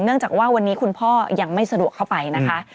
จากว่าวันนี้คุณพ่อยังไม่สะดวกเข้าไปนะคะ